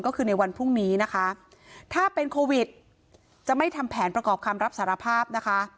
ก็คือในวันพรุ่งนี้นะคะถ้าเป็นโควิดจะไม่ทำแผนประกอบคำรับสารภาพนะคะ